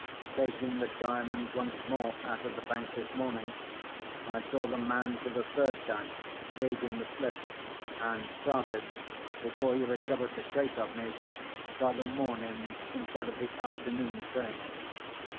Taking the Diamond once more out of the bank this morning, I saw the man for the third time, gave him the slip, and started (before he recovered the trace of me) by the morning instead of the afternoon train.